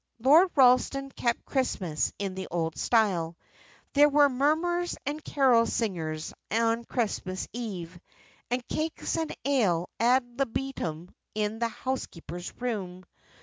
Lord Ralston kept Christmas in the old style. There were mummers and carol singers on Christmas Eve, and "cakes and ale" ad libitum in the housekeeper's room.